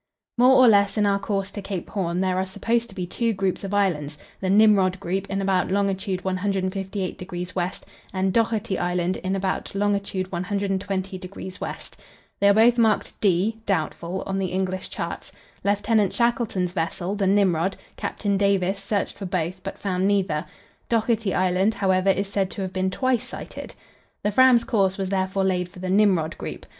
More or less in our course to Cape Horn there are supposed to be two groups of islands, the Nimrod group in about long. 158° W., and Dougherty Island in about long. 120° W. They are both marked "D" (Doubtful) on the English charts. Lieutenant Shackleton's vessel, the Nimrod, Captain Davis, searched for both, but found neither; Dougherty Island, however, is said to have been twice sighted. The Fram's course was therefore laid for the Nimrod group.